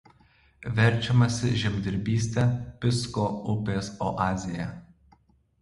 Verčiamasi žemdirbyste Pisko upės oazėje.